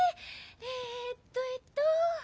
えっとえっと。